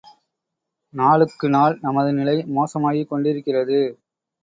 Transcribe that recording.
நாளுக்கு நாள் நமது நிலை மோசமாகிக்கொண்டிருக்கிறது.